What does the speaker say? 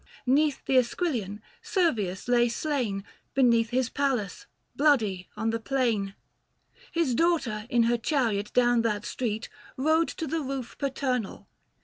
'Neath the Esquilian Servius lay slain Beneath his palace, bloody on the plain. His daughter in her chariot down that street 730 Rode to the roof paternal.